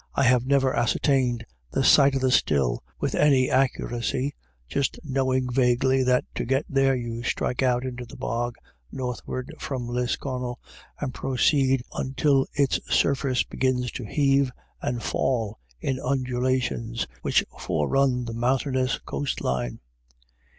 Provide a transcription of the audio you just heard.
I have never ascertained the site of the still with any , accuracy, just knowing vaguely that to get there i you strike out into the bog northward from Lis ! connel, and proceed until its surface begins to heave and fall in undulations which fore run the mountainous coast line.